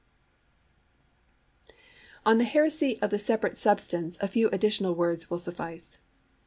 SUBSTANCE On the heresy of the separable substance a few additional words will suffice.